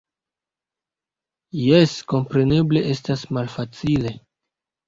Jes, kompreneble estas malfacile.